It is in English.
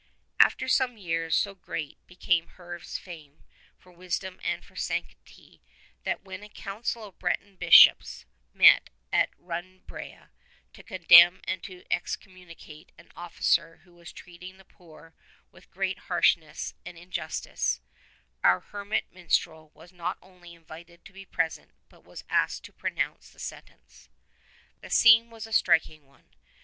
to8 After some years so great became Herve's fame for wis dom and for sanctity that when a council of Breton Bishops met at Run brea to condemn and to excommunicate an officer who was treating the poor with great harshness and injus tice, our hermit minstrel was not only invited to be present but was asked to pronounce the sentence. The scene was a striking one.